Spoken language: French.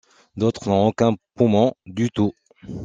D'autres n'ont aucun poumon du tout.